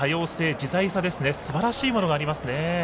自在さすばらしいものがありますね。